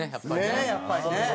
ねえやっぱりね。